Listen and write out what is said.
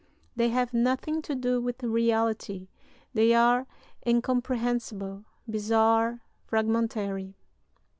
They have nothing to do with reality; they are incomprehensible, bizarre, fragmentary.